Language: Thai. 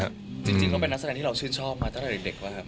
จริงต้องเป็นนักแสดงที่เราชื่นชอบมาตั้งแต่เด็กแล้วครับ